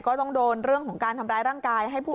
ก็ต้องโดนเรื่องของการทำร้ายร่างกายให้ผู้